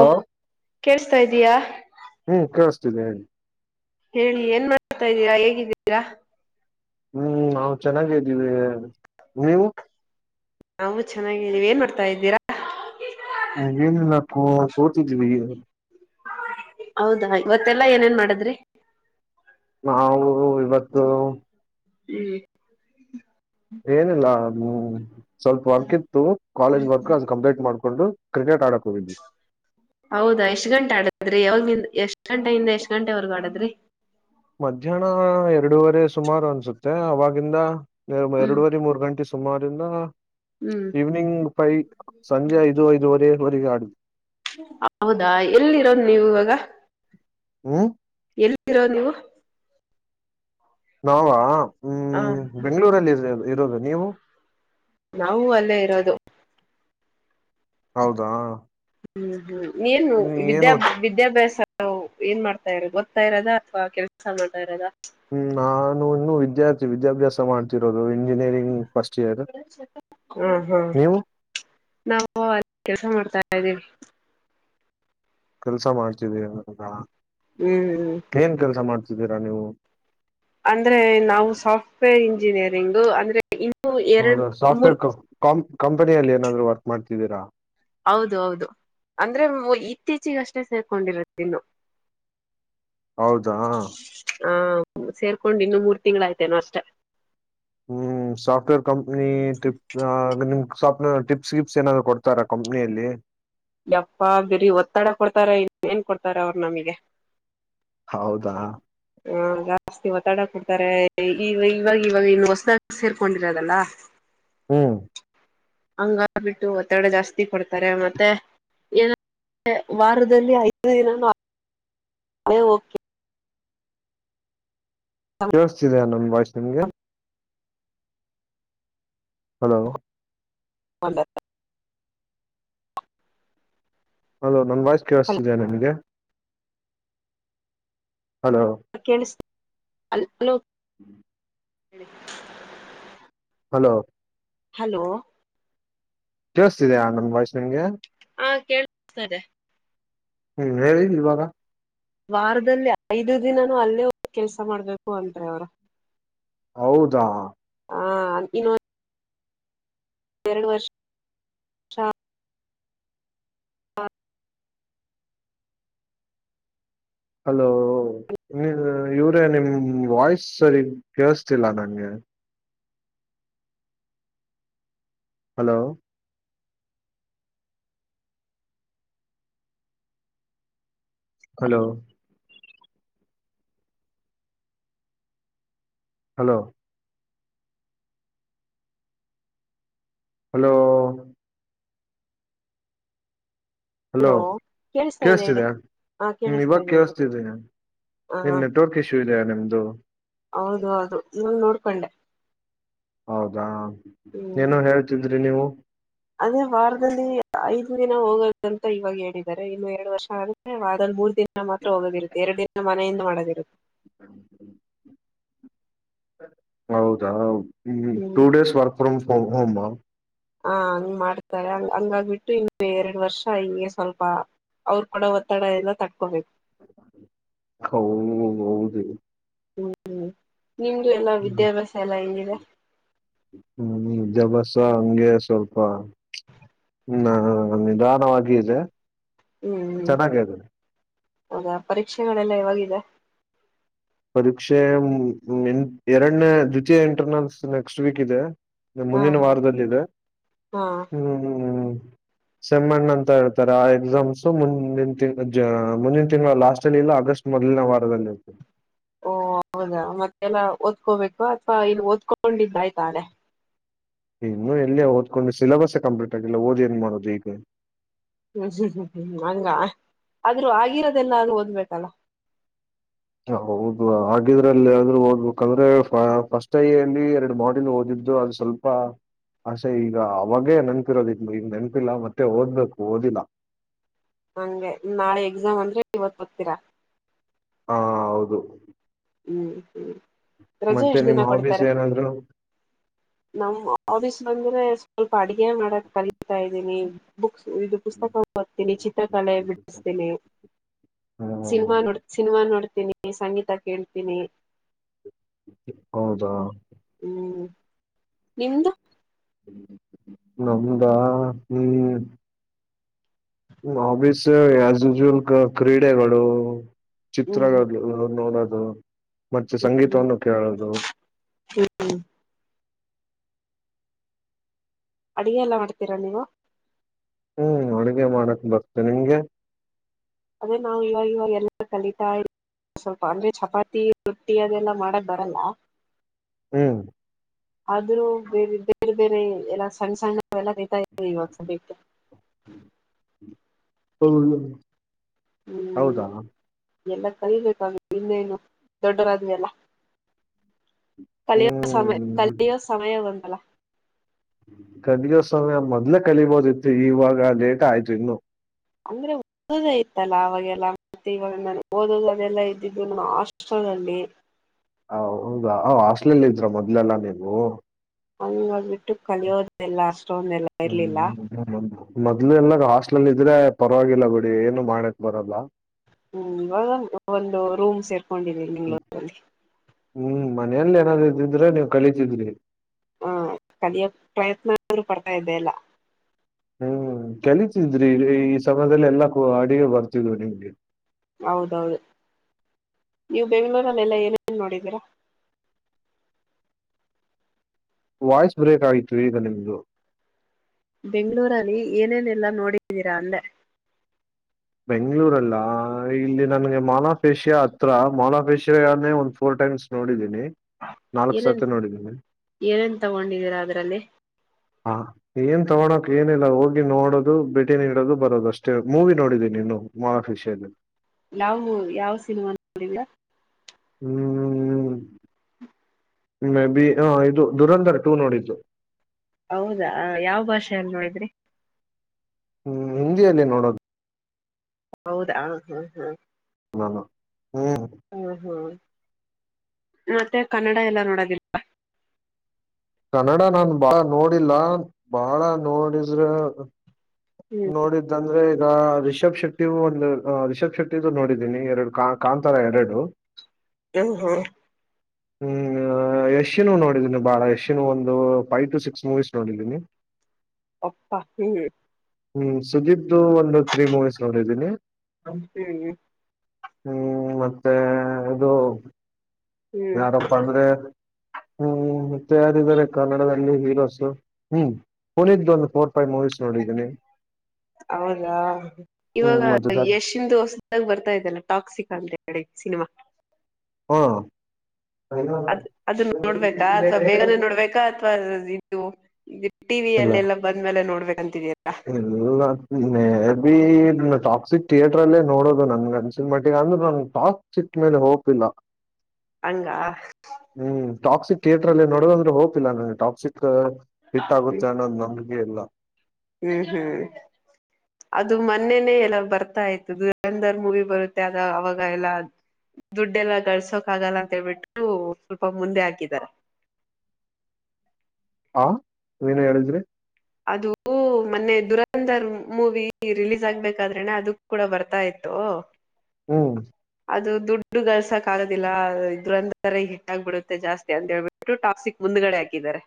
ಓ ಕೇೇಳಸ್ತಾ ಇದ್ದೀಯಾ. ಜದ [inaudible] ಹೇಳಿ ಏನ್ ಮಾಡತಾ ಇದ್ದೀರಾ ಹೇಗಿದ್ದೀರಾ. ಹ್ಮ್ ನಾವ್ ಚೆನ್ನಾಗ್ದೀವಿ ನೀವು. ನಾವು ಚೆನ್ನಾಗಿದೇವಿ ನೀವ ಏನ್ ಮಾಡ್ತಾ ಇದ್ದೀರಾ. ಏನಿಲ್ಲೊಪ್ಪ ಕೂತಿದಿವಿ. ಹೌದಾ ಇವತ್ತೆಲ್ಲಾ ಏನೇನ್ ಮಾಡಿದ್ರಿ. ನಾವು ಇವತ್ತು. ಹ್ಮ್. ಏನಿಲ್ಲ ಹ್ಮ ಸ್ವಲ್ಪ ವರ್ಕ್ ಇತ್ತು ಕಾಲೇಜ್ ವರ್ಕ್ ಅದು ಕಂಪ್ಲೀಟ್ ಮಾಡ್ಕೊಂಡು. ಕ್ರಿಕೆಟ್ ಆಡೋಕ. ಹೌದಾ ಎಷ್ಟ್ ಗಂಟೆ ಆಡದ್ರೆ ಯಾವಾಗಿನಿಂದ. ಎಷ್ಟ್ ಗಂಟೆಯಿಂದ ಎಷ್ಟ್ ಗಂಟೆವರ್ಗೂ ಆಡದ್ರಿ. ಮಧ್ಯಾಹ್ನ ಎರಡೂವರೆ ಸುಮಾರು ಅನ್ಸುತ್ತೆ ಅವಾಗಿಂದ. ಹ್ಮ್ ಎರಡುವರೆ ಮೂರ್ ಗಂಟೆ. ಸುಮಾರಿಂದ. ಹ್ಮ್ ಈವ್ನಿಂಗ್ ಫೈವ್ ಸಂಜೆ ಐದು ಐದುವರೆ. ಬಗಾಡ್ [inaudible] ಹೌದಾ ಎಲ್ಲಿರೋದು ನೀವು ಇವಾಗ. ಹ್ಮ. ಎಲ್ಲಿರೋದು ನೀವು. ನಾವಾ. ಹ ಹ್ಮ್ ಬೆಂಗಳೂರಲ್ಲಿ ಇದೀವಿ. ಇರೋದು ನೀವು. ನಾವು ಅಲ್ಲೇ ಇರೋದು. ಹೌದಾ. ಹ್ಮ್ ಹ್ಮ್. ಏನು ಇನ್ನು ವಿದ್ಯಾ ಏನು ವಿದ್ಯಾಭ್ಯಾಸ. ನಾ ಏನ್ ಮಾಡ್ತಾ ಇರೋ ಗೊತ್ತಾ ಇರೋದಾ ಅಥವಾ ಕೆಲ್ಸ ಮಾಡ್ತಾ ಇರೋದಾ. ಹ್ಮ್ ನಾನು ಇನ್ನು ವಿದ್ಯಾರ್ಥಿ ವಿದ್ಯಾಭ್ಯಾಸ ಮಾಡ್ತಿರೋದು ಇನ್ನು. ಹ ಹಾ ನೀವು ನಾವ ಕೆಲ್ಸ ಮಾಡ್ತಾ ಇದ್ದೀವಿ. ಕೆಲ್ಸ ಮಾಡ್ತಿದೀರ ಇವಾಗ. ಹ್ಮ್. ಸುಬಿರ [inaudible] ನೀವು. ಅಂದ್ರೆ ನಾವು ಸಾಫ್ಟ್ವೇರ್ ಇಂಜಿನಿಯರಿಂಗು ಅಂದ್ರೆ. ಇನ್ನು ಎರಡು ಹೌದಾ ಮೂರ್ ಸಾಫ್ಟ್ವೇರ್ ಕಂ ಕಂಪನಿಯಲ್ಲಿ ಏನಾದ್ರು ವರ್ಕ್ ಮಾಡ್ತಿದ್ದೀರ ಹೌದು ಹೌದು ಅಂದ್ರೆ ಇತ್ತೀಚಗಷ್ಟೇ ಸೇಕೊಂಡಿರೋದು ಇನ್ನು ಹೌದ ಹ ಸೇರ್ಕೊಂಡ್ ಇನ್ನು ಮೂರ್ ತಿಂಗಳಾಯಯ್ತೇನೋ ಅಷ್ಟ ಹ್ಮ್ ಸಾಫ್ಟ್ವೇರ್ ಕಂಪನಿ ಟ್ರಿಪ್ ನಿಮ್ ಟಿಪ್ಸ್ ಗಿಪ್ಸ್ ಏನಾದ್ ಕೊಡ್ತಾರ ಕಂಪ್ನಿಯಲ್ಲಿ ಯಪ್ಪಾ ಬಿರೀ ಒತ್ತಡ ಕೊಡ್ತಾರ ಇನ್ನಏನ್ ಕೊಡ್ತಾರ ಅವರು ನಮಗೆ ಹೌದಾ ಹ ಜಾಸ್ತಿ ಒತ್ತಡ ಕೊಡ್ತಾರೆ ಈಗ ಇವಾಗ ಇವಾಗ ಇನ್ನು ಹೊಸದ ಸೇರ್ಕೊಂಡಿರೋದಲ್ಲ ಹ್ಮ್ ಹಂಗ ಬಿಟ್ಟು ಒತ್ತಡ ಜಾಸ್ತಿ ಕೊಡ್ತಾರೆ ಮತ್ತೆ ಏನ ವಾರದಲ್ಲಿ ಐದು ದಿನನು ಹ ಓಕೆ ಕೇಳಿಸತಿದಿಯ ನನ್ನ ವಾಯ್ಸ್ ನಿಮಗೆ ಹಲೋ ಒಂದ ಅದು ನನ್ ವಾಯ್ಸ್ ಕೇಳಿಸ್ತಿದಯ ನಿಮಗೆ ಹಲೋ ಕೇಳಿಸ್ತಿದೆ ಹಲೋ ಹ್ಮ್ ಹ್ಮ ಹಲೋ ಹಲೋ ಕೇಳಳ್ಸ್ತಿದ ನಂದ್ ವಾಯ್ಸ್ ನಿನಗೆ ಹಾ ಕೇಳಿಸ್ತಾಯಿದೆ ಹ್ಮ್ ಹೇಳಿ ಇವಾಗ ವಾರದಲ್ಲಿ ಐದು ದಿನನೂ ಅಲ್ಲೇಹೋಗಿ ಕೆಲ್ಸ ಮಾಡ್ಬೇಕು ಅನ್ರಿ ಅವ್ರ ಹೌದ ಹಾ ಇನ್ನು ಎರಡು ವರ್ಷ ಹಲೋ ಇವರೇ ನಿಮ್ಮ ವಾಯ್ಸರಿ ಕೇಳ್ಸ್ತಿಲ್ಲ ನಂಗೆ hello hello hello hello hello ಕೇಳಿಸ್ತಾ ಇದೆ ಹೇಳಿ ಕೇಳಿಸತಿದ್ಯಾ ಹಾ ಕೇಳಿಸ್ತಾ ಇವಾಗ ಇದೆ ಹೇಳಿ ಕೇಳಿಸ್ತಿದ್ದೀ ಹ ಏನು ಹಾ ನೆಟ್ವರ್ಕ್ ಇಶ್ಯೂ ಇದೆೆಯ ನಿಮದುು ಹೌದು ಹೌದು ಇವನು ನೋಡ್ಕೊಂಡೆ ಹೌದ ಹ್ಮ್ ಏನೋ ಹೇಳ್ತಿದ್ರಿ ನೀವು [unintelligible] ಅದೇ ವಾರದಲ್ಲಿ ಐದು ದಿನ ಹೋಗದಂತ ಇವಾಗ ಹೇಳಿದ್ದಾರೆ ಇನ್ನು ಎರಡು ವರ್ಷ ಆದ್ರೆ ವಾರದಲ್ಲಿ ಮೂರು ದಿನ ನಾ ಮಾತ್ರ ಹೋಗದಿರುತ್ತೆ ಎರಡಿ ದಿನ ಮನೆಯಿಂದ ಮಾಡದಿರುತ್ತೆ ಹೌದ ಹ್ಮ್ two days work from home [unintelligible] ಹಾ ಹಂಗ್ ಮಾಡ್ತಾರೆ ಹಂಗಾಗ್ಬಿಟ್ಟು ಇನ್ನು ಎರಡು ವರ್ಷ ಹಿಂಗೆ ಸ್ವಲ್ಪ ಅವ್ರ್ ಕೊಡೋ ಒತ್ತಡ ಎಲ್ಲ ತಡ್ಕೋಬೇಕು ಹೌದೌದು ಹ್ಮ್ ಹ್ಮ್ ನಿಮ್ದು ಎಲ್ಲ ಹ್ಮ್ ವಿದ್ಯಾಭ್ಯಾಸ ಎಲ್ಲ ಹೆಂಗ್ ಇದೆ ಸ ಹಂಗೆ ಸ್ವಲ್ಪ ನಾ ನಿಧಾನವಾಗಿ ಇದೆ ಹ್ಮ್ ಹ್ಮ್ ಚೆನ್ನಾಗೆ ಇದೆ ಹೌದಾ ಪರೀಕ್ಷೆಗಳೆಲ್ಲ ಯಾವಾಗಿದೆ ಪರೀಕ್ಷೆ ಎರಡನೇ ದ್ವಿತೀಯ ಇಂಟರ್ನಲ್ಸ್ ನೆಕ್ಸ್ಟ್ ವೀಕ್ ಇದೆ ಹಾ ಮುಂದಿನ ಹಾ ವಾರದಲ್ಲಿದೆ ಹಾ ಹ್ಮ್ ಹ್ಮ್ ಹ್ಮ್ ಸೆಮ್ ಒನ್ ಅಂತ ಹೇಳ್ತಾರೆ ಆ ಎಕ್ಸಾಮ್ಸು ಮುಂದಿನ ಮುಂದಿನ ತಿಂಗಳ ಲಾಸ್ಟಲ್ಲಿ ಇಲ್ಲ ಆಗಸ್ಟ್ ಮೊದಲನೇ ವಾರದಲ್ಲಿ ಇರ್ತದೆ ಓ ಹೌದಾ ಮತ್ತೆ ಎಲ್ಲ ಓದ್ಕೋಬೇಕಾ ಅಥವಾ ಇಲ್ಲ ಓದ್ಕೊಂಡಿದ್ದಾಯ್ತ ಆಗ್ಲೇ ಇನ್ನು ಎಲ್ಲಿ ಓದ್ಕೊಂಡ್ ಸಿಲೆಬಸೇ ಕಂಪ್ಲೀಟ್ ಆಗಿಲ್ಲ ಓದ್ ಏನ್ ಮಾಡೋದು ಈಗ ಹ್ಮ್ ಹ್ಮ್ ಹ್ಮ್ ಹ್ಮ್ ಹಂಗ ಆದ್ರೂ ಆಗಿರೋದೆಲ್ಲ ಆದ್ರೂ ಓದ್ಬೇಕಲ್ಲ ಹಾ ಹೌದು ಆಗಿದ್ರಲ್ಲಿ ಆದ್ರು ಓದ್ಬೇಕಂದ್ರೆ ಫಸ್ಟ್ ಟೈ ಅಲ್ಲಿ ಎರಡು ಮಾಡಿಲ್ ಓದಿದ್ದು ಅದು ಸ್ವಲ್ಪ ಆಸೆ ಈಗ ಅವಾಗೆ ನೆನ್ಪಿರೋದು ಈಗ ನೆನಪಿಲ್ಲ ಮತ್ತೆ ಓದ್ಬೇಕು ಓದಿಲ್ಲ ಹಂಗೆ ನಾಳೆ ಎಕ್ಸಾಮ್ ಅಂದ್ರೆ ಇವತ್ತು ಓದ್ತೀರಾ ಹಾ ಹೌದು ಹ್ಮ್ ಹ್ಮ್ ರಜೆ ಮತ್ತೆ ಎಷ್ಟು ದಿನ ನಿಮ್ ಹಾಬೀಸ್ ಕೊಡ್ತಾರೆ ಏನಾದ್ರು ನಮ್ ಆಫೀಸ್ ಅಂದ್ರೆ ಸ್ವಲ್ಪ ಅಡಿಗೆ ಮಾಡಕ್ ಕಲಿತಾ ಇದ್ದೀನಿ ಬುಕ್ ಇದು ಪುಸ್ತಕ ಓದ್ತೀನಿ ಚಿತ್ರಕಲೆ ಬಿಡಿಸ್ತೀನಿ ಹಾ ಸಿನಿಮಾ ನೋಡ್ ಸಿನಿಮಾ ನೋಡ್ ತೀನಿ ಸಂಗೀತ ಕೇಳ್ತೀನಿ ಹೌದಾ ಹ್ಮ್ ನಿಮ್ದು ನಮ್ದಾ ಹ್ಮ್ ಹಾಬೀಸ್ ಆಸ್ ಯೂಶುವಲ್ ಕ್ರೀಡೆಗಳು ಹ್ಮ್ ಚಿತ್ರಗಳ್ ನೋಡೋದು ಹಾ ಮತ್ತೆ ಸಂಗೀತವನ್ನು ಕೇಳೋದು ಹ್ಮ್ ಅಡಿಗೆ ಎಲ್ಲ ಮಾಡ್ತೀರಾ ನೀವು ಹ್ಮ್ ಅಡುಗೆ ಮಾಡಕ್ ಬರ್ತೇ ನಿಂಗೆ ಅದೇ ನಾವು ಇವಾಗ ಇವಾಗ ಎಲ್ಲ ಕಲಿತಾ ಇದೀವಿ ಸ್ವಲ್ಪ ಅಂದ್ರೆ ಚಪಾತಿ ರೊಟ್ಟಿ ಅದೆಲ್ಲ ಮಾಡಕ್ ಬರಲ್ಲ ಹ್ಮ್ ಆದ್ರೂ ಬೇರೆ ಬೇರೆ ಬೇರೆ ಎಲ್ಲ ಸಣ್ಣಸಣ್ಣ ಎಲ್ಲ ಕಲಿತಾ ಇದಿವಿ ಇವಾಗ್ ಸದ್ಯಕ್ಕೆ [unintelligible] ಹ್ಮ್ ಹೌದಾ ಎಲ್ಲ ಕಲಿಬೇಕು ಇನ್ನೇನು ದೊಡ್ಡರಾದ್ಮಲ್ಲ ಕಲಿಯೋ ಸಮಯ ಹ್ಮ್ ಕಲಿಯೋ ಸಮಯ ಬಂದಲ್ಲ ಕಲಿಯೋ ಸಮಯ ಮೊದ್ಲೇ ಕಲಿಬೋದಿತ್ತು ಇವಾಗ ಲೇಟ ಆಯ್ತು ಇನ್ನು ಅಂದ್ರೆ ಓದೋದೇ ಇತ್ತಲ್ಲ ಅವಾಗೆಲ್ಲ ಮತ್ತೆ ಇವಾಗ ನ ಓದೋದು ಅದೆಲ್ಲ ಇದ್ದಿದ್ದು ನಮ್ಮ ಹಾಸ್ಟೆಲ್ಲ್ಲಿ ಹ ಹೌದಾ ಹಾಸ್ಲೇಲ್ ಇದ್ರ ಮೊದ್ಲೆಲ್ಲ ನೀವು ಅಲ್ಲಿ ನೋೋಗಬಿಟ್ಟು ಕಲಿಯೋದೆಲ್ಲ ಅಷ್ಟೊ ಎಲ್ಲ ಇರ್ಲಿಲ್ಲ ಮೊದ್ಲು ಎಲ್ಲ ಹಾಸ್ಟ್ಲಲ್ ಇದ್ರೆ ಪರವಾಗಿಲ್ಲ ಬಿಡಿ ಏನು ಮಾಡಕ್ ಬರಲ್ಲ ಹ್ಮ್ ಇವಾಗ ಒಂದು ರೂಮ್ಸ್ ಇರ್ತ ಹಕೊಂಡಿದವಿಂ್ಗಳೂರಲ್ಲಿ ಮನಲ್ ಏನಾದ್ ಇದಿದ್ರೆ ನೀವು ಕಲಿತಿದ್ರಿ ಹಾ ಕಲಿಯೋ ಪ್ರಯತ್ನ ಆದ್ರೂ ಪಡ್ತಾ ಇದ್ದೆ ಅಲ್ಲ ಹ್ಮ್ ಕಲಿತಿದ್ರಿ ಈ ಸಮಯದಲ್ಲಿ ಎಲ್ಲಾ ಅಡಿಗೆ ಬರ್ತಿದ್ವು ನಿಮ್ಗೆ ಹೌದೌದು ನೀವು ಬೆಂಗಗಳೂರಲ್ಲೆಲ್ಲ ಏನನ್ ನೋಡಿದೀರಾ ವಾಯ್ಸ್ ಬ್ರೇಕ್ ಆಗಿತ್ತುು ಈಗ ನಿಮ್ದು ಬೆಂಗಳೂರಲ್ಲಿ ಏನೇನೆಲ್ಲ ನೋಡಿದ್ದೀರಾ ಅಂದೇ ಬೆಂಗ್ಗಳೂರಲ್ಲ ಇಲ್ಲಿ ನನ್ಗೆ ಮಾನ್ ಆಫ್ ಏಷ್ಯಾ ಹತ್ರ ಮಾನ್ ಆಫ್ ಏಷಿಯಾನೇ ಒಂದ್ ಫೋರ್ ಟೈಮ್ಸ್ ನೋಡಿದ್ದೀನಿ ನಾಲ್ಕ್ ಏನನ್ ಸತಿ ನೋಡಿದ್ದೀನಿ ಏನೇನ್ ತಗೊಂಡಿದ್ದೀರಾ ಅದ್ರಲ್ಲಿ ಹಾ ಏನ್ ತಗೋಳೋಕ್ ಏನಿಲ್ಲ ಹೋಗಿ ನೋಡೋದು ಭೇಟಿ ನೀಡೋದು ಬರೋದು ಅಷ್ಟೇ ಮೂವಿ ನೋಡಿದೀನಿ ನೀನು ಮಹಫಿಷಯದಲ್ಲಿ ಯಾವವು ಯಾವ ಸಿನಿಮಾ ನೋಿಂದ ಹ್ಮ್್ಮ್ ಹ್ಮ್ ಮೇ ಬಿ ಹ ಇದು ದುರಂಧರ್ ಟೂ ನೋಡಿದ್ದು ಹೌದಾ ಯಾವ ಭಾಷೆಯಲ್ಲಿ ನೋಡಿದ್ರಿ ಹ್ಮ್ ಹಿಂದಿಯಲ್ಲಿ ನೋಡೋದು ಹೌದಾ ಹಾ ಹಾ ಹಲೋ ಹ್ಮ ಹ್ಮ್ ಮತ್ತೆ ಕನ್ನಡ ಎಲ್ಲ ನೋಡೋದಿಲ್ಲ ಕನ್ನಡ ನಾು ಬಾ ನೋಡಿಲ್ಲ ಬಾಳ ನೋಡಿದ್ರ ಹ್ಮ್ ನೋಡಿದ್ದಂದ್ರೆ ಈಗ ರಿಷಬ್ ಶೆಟ್ಟಿ ಒಂದು ರಿಷಬ್ ಶೆಟ್ಟಿು ನೋಡಿದ್ದೀನಿ ಎರಡು ಕ ಕಾಂತರ ಎರಡು ಹ ಹಾ ಹ್ಮ್ ಯಶಿನ ನೋಡಿದೀನಿ ಬಾಳ ಎಶ ಒಂದು ಫೈವ್ ಟು ಸಿಕ್ಸ್ ಮೂವಿಸಸ್ ನೋಡಿದ್ದೀನಿ ಅಪ್ಪಾ ಹ್ಮ ಹ್ಮ್ ಸುದೀಪ್್ದ ಒಂದು ತ್ರೀ ಮೂವೀಸ್ ನೋಡಿದ್ದೀನಿ ಹ ಹ್ಮ್ ಮತ್ತೆ ಇದು ಹ್ಮ್ ಯಾರಪ್ಪ ಅಂದ್ರೆ ಹ್ಮ್ ಮತ್ತ ಯಾರಿದ್ದಾರೆ ಕನ್ನಡದಲ್ಲಿ ಹೀರೋಸ್ ಹ್ಮ್ ಹನಿದ ಒಂದು ಫೋರ್ ಫೈವ್ ಮೂವೀಸ್ ನೋಡಿದೀನಿ ಹೌದಾ ಇವಾಗ ಹ್ಮ್ ಮತ್ತೆ ಎಶಂದು ಹೊಸದಾಗ ಬರ್ತಾ ಇದಲ್ಲ ಟಾಕ್ಸಿಕ್ ಅಂತ ಹೇಳಿ ಸಿನಿಮಾ ಹಾ ಅದ್ ಅದ ನೋಡ್ಬೇಕಾ ಅಥವಾ ಬೇಗನೆ ನೋಡ್ಬೇಕ ಅಥವಾ ನೀವು ಇಲ್ಲ ಎಲ್ಲ ಮೆ ಬಿ ಟಾಕ್ಸಿಕ್ ಥಿಯೇಟ್ರ ಅಲ್ಲೇ ನೋಡೋದು ನನಿಗೆ ಅನ್ನಿಸಿದ ಮಟ್ಟಿಗೆ ಈಗ ಅಂದ್ರೆ ನನ್ ಟಾಕ್ಸಿಕ್ ಮೇಲೆ ಹೋಪ್ಸ್ ಇಲ್ಲ ಹಂಗ ಹ್ಮ್ ಟಾಕ್ಸಿಕ್ ಥಿಯೇಟ್ರ ಅಲ್ಲಿ ನೋಡೋಂದ್ರೆ ಹೋಪ್ ಇ ನಗೆ ಟಾಕ್ಸಿಕ್ ಆಗುತ್ತೆ ಅನ್ನೊಂದು ಇಲ್ಲ ಹ್ಮ್ ಹ್ಮ್ ಅದು ಮೊನ್ನೆನೆೇ ಎಲ್ಲ ಬರ್ತಾ ದುಧರ್ ಮೂವಿ ಬರುತ್ತೆ ಆದ ಅವಾಗ ಎಲ್ಲಾ ದುಡ್ಡೆಲ್ಲ ಗಳಸೋಕ್ ಆಗಲ್ಲ ಅಂತ ಹೇಳ್ಬಿಟ್ಟು ಸ್ವಲ್ಪ ಮುಂದೆ ಹಾಕಿದಿದ್ದಾರೆ ಹಾ ಏನೋ ಹೇಳಿದ್ರಿ ಅದು ಮನ್ನೆ ದುರಂಧರ್ ಮೂವಿ ರಿಲೀಸ್ ಆಗ್ಬೇಕಾದ್ರೆನೆ ಅದ ಕೂಡ ಬರ್ತಾ ಇತ್ತು ಹ್ಮ್ ಅದು ದುಡ್ಡುಗಳಸಕ್ ಆಗೋದಿಲ್ಲ ಇದ್ರಂದ ಹಿಟ್ ಆಗಬಿಡುತ್ತೆ ಜಾಸ್ತಿ ಅಂತ ಹೇಳ್ಬಿಟ್ಟು ಟಾಕ್ಕ್ಸಿಕ್ ಮುಂದಗಡೆ ಹಾಕಿದ್ದಾರೆ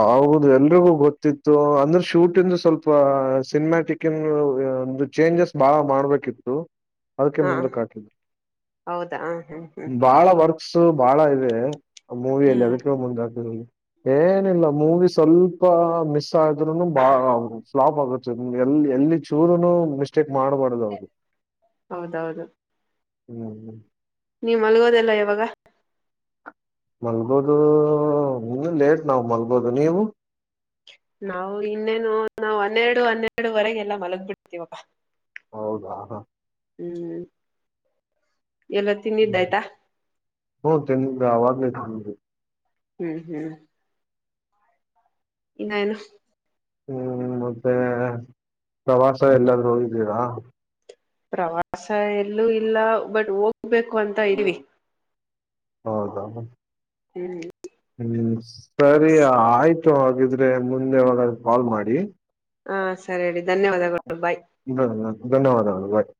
ಹೌದು ಎಲ್ರಿಗೂ ಗೊತ್ತಿತ್ತು ಅಂದ್ರೆ ಶೂಟಂದು ಸ್ವಲ್ಪ ಸಿನಿಮ್ಯಾಟಿಕ್ನ್ ಚೇಂಜಸ್ ಬಾಳ ಮಾಡ್ಬೇಕಿತ್ತು ಅದಕ್ಕೆೇ ಹಾ ಮುಂದೆಕಾಕಿದ್ದ ಹೌದಾ ಹ್ಮ್ ಹ್ಮ್ ಬಾಳ ವರ್ತ ಸೊ ಬಾಳ ಇದೆ ಮೂವಿಯಲ್ಲಿ ಹ್ಮ್ ಅದಕ್ಕೆ ಮುಂದಾಕಿದ್ರು ಹೇ ಮೂವಿ ಸ್ವಲ್ಪ ಮಿಸ್ ಆದ್ರೂನು ಫ್ಲಾಪ್ ಆಗುತ್ತೆ ಎಲ್ಲಿ ಎಲ್ಲಿ ಚೂರುನು ಮಿಸ್ಟೇಕ್ ಮಾಡಬಾರುದ ಅವರು ಹೌದೌದು ಹ್ಮ್ ಹ್ಮ್ ನೀ ಮಲ್ಗೋದೆಲ್ಲ ಯಾವಾಗ ಮಲ್ಬೋದು ಇನ್ನು ಲೇಟ್ ನಾವು ಮಲ್ಬೋದು ನೀವು ನಾವು ಇನ್ನೇನು ನಾವ್ ಹನ್ನೆರಡು ಹನ್ನೆರಡುವರೆಗೆ ಎಲ್ಲ ಮಲಗ್ ಬಿಡ್ತೀವಪ್ಪ ಹೌದಾ ಹ ಹ್ಮ್ ಎಲ್ಲ ತಿಂತಿದು ಆಯ್ತ ಹೂ ತಿಂದಿದು ಆವಾಗ್ಲೇ ತಿಂದ್ವಿ ಹ್ಮ್ ಹ್ಮ್ ಇನ್ನೇನು ಹ್ಮ್ ಮತ್ತೆ ಪ್ರವಾಸ ಎಲ್ಲಾದೂ ಹೋಗಿದ್ದೀರ ಪ್ರವಾಸ ಎಲ್ಲೂ ಇಲ್ಲ ಬಟ್ ಹೋಗ್ಬೇಕು ಅಂತ ಇದೀವಿ ಹೌದ ಹ್ಮ್ ಹ್ಮ್ ಸರಿ ಆಯ್ತು ಇಷ್ಟ ಆಗಿದ್ರೆ ಮುಂದೆ ಅವಾಗ ಕಾಲ್ ಮಾಡಿ ಹಾ ಸರಿಡ ಧನ್ಯವಾದಗಳು ಬಾಯ್ ಧನ್ಯವಾದಗಳು ಬಾಯ್